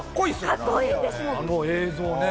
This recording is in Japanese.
あの映像ね。